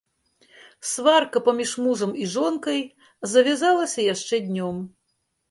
Сварка паміж мужам і жонкай завязалася яшчэ днём.